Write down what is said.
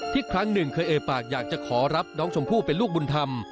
ครั้งหนึ่งเคยเอ่ยปากอยากจะขอรับน้องชมพู่เป็นลูกบุญธรรม